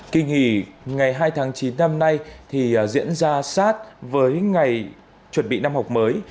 kinh hỷ ngày hai tháng chín năm nay diễn ra sát với ngày chuẩn bị năm học mới